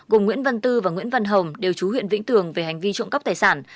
cùng nguyễn văn tư và nguyễn văn hồng đều chú huyện vĩnh tường về hành vi trộm cắp tài sản